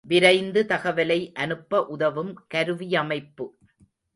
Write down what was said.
விரைந்து தகவலைஅனுப்ப உதவும் கருவியமைப்பு.